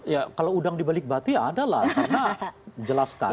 ya kalau udang dibalik bati ya ada lah karena jelas sekali